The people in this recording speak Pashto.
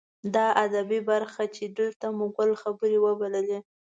دا ادبي برخه چې دلته مو ګل خبرې وبللې.